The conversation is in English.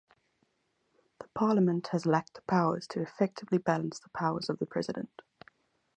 The Parliament has lacked the powers to effectively balance the powers of the president.